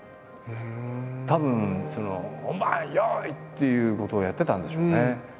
たぶん「本番！用意！」っていうことをやってたんでしょうね。